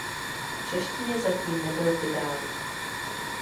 V češtině zatím nebyl vydán.